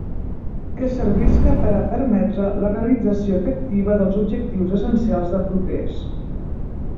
Que servisca per a permetre la realització efectiva dels objectius essencials de progrés.